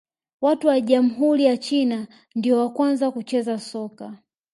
Watu wa jamhuri ya China ndio wa kwanza kucheza soka